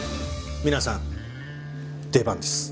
皆さん出番です。